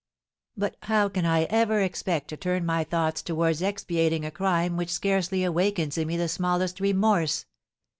"But how can I ever expect to turn my thoughts towards expiating a crime which scarcely awakens in me the smallest remorse?